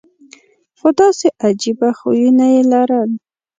خو داسې عجیبه خویونه یې لرل.